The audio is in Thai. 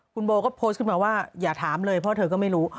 คุณโบก็โพสต์ขึ้นมาว่าอย่าถามเลยเพราะเธอก็ไม่รู้